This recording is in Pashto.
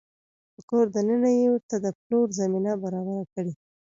په کور دننه يې ورته د پلور زمینه برابره کړې